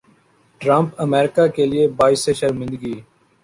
Trump امریکا کیلئے باعث شرمندگی